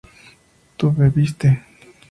tú bebiste